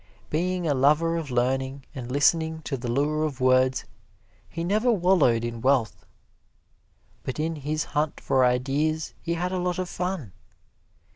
Being a lover of learning, and listening to the lure of words, he never wallowed in wealth. But in his hunt for ideas he had a lot of fun.